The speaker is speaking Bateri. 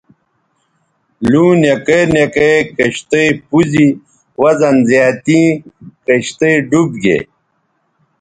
لُوں نکے نکے کشتئ پوز ی وزن زیاتیں کشتئ ڈوب گے